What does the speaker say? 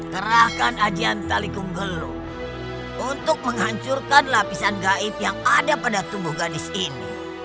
terahkan ajian talikung gelung untuk menghancurkan lapisan gaib yang ada pada tumbuh gadis ini